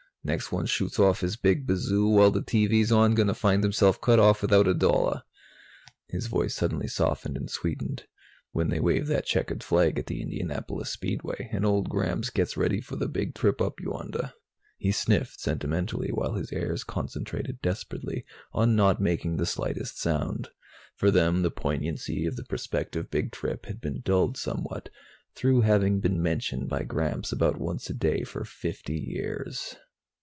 "Next one shoots off his big bazoo while the TV's on is gonna find hisself cut off without a dollar " his voice suddenly softened and sweetened "when they wave that checkered flag at the Indianapolis Speedway, and old Gramps gets ready for the Big Trip Up Yonder." He sniffed sentimentally, while his heirs concentrated desperately on not making the slightest sound. For them, the poignancy of the prospective Big Trip had been dulled somewhat, through having been mentioned by Gramps about once a day for fifty years.